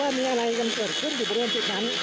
มีอะไรกันเกิดขึ้นอยู่บริเวณจุดนั้น